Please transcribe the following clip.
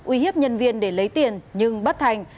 uy hiếp nhân viên để lấy tiền nhưng bắt thành